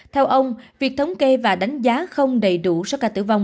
theo ông việc thống kê và đánh giá không đầy đủ số ca tử vong